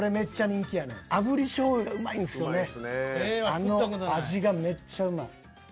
あの味がめっちゃうまい。